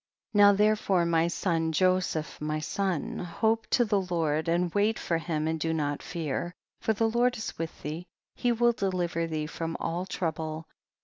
39. Now therefore my son, Joseph my son, hope to the Lord, and wait for him and do not fear, for the Lord is with thee, he will deliver thee from all trouble.